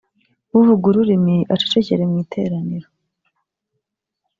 uvuga ururimi acecekere mu iteraniro